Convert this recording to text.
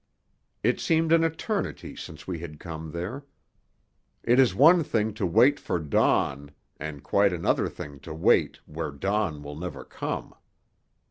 It seemed an eternity since we had come there. It is one thing to wait for dawn and quite another thing to wait where dawn will never come.